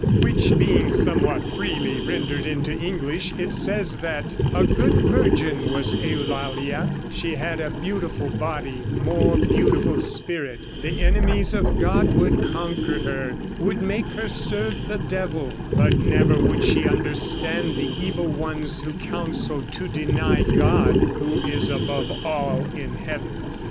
Which being somewhat freely rendered into English, it says that: "A good virgin was Eulalia; She had a beautiful body, more beautiful spirit; The enemies of God would conquer her, Would make her serve the devil; But never would she understand the evil ones who counsel To deny God, who is above all in heaven."